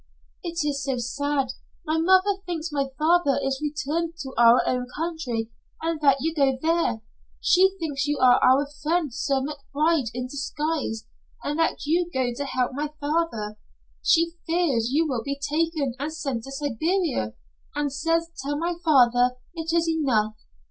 "It is so sad. My mother thinks my father is returned to our own country and that you go there. She thinks you are our friend Sir McBride in disguise, and that you go to help my father. She fears you will be taken and sent to Siberia, and says tell my father it is enough.